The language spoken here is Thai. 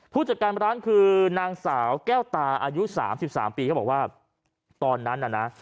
ผู้จัดการร้านคือนางสาวแก้วตาอายุ๓๓ปีเขาบอกว่าตอนนั้นน่ะนะ